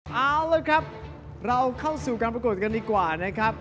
เอาละครับเราเข้าสู่การประกวดกันดีกว่านะครับ